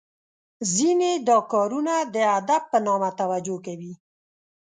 ځینې دا کارونه د ادب په نامه توجه کوي .